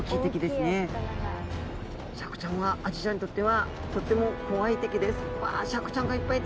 シャークちゃんはアジちゃんにとってはとっても怖い敵です。